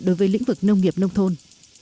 đối với lĩnh vực nông nghiệp nông thôn